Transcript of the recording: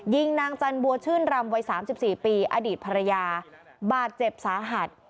ยิงนางจันบัวชื่นรำวัย๓๔ปีอดีตภรรยาบาดเจ็บสาหัส